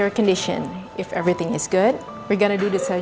untuk memeriksa kondisi kamu